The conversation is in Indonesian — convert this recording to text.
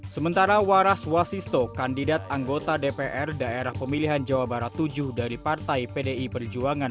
sementara waras wasisto kandidat anggota dpr daerah pemilihan jawa barat tujuh dari partai pdi perjuangan